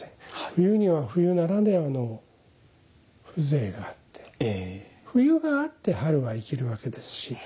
冬には冬ならではの風情があって冬があって春が生きるわけですし。